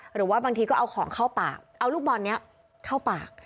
หรือว่าบางทีก็เอาของเข้าปากเอาลูกบอลนี้เข้าปาก